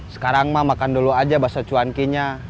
sekarang mah makan dulu aja bakso cuankinya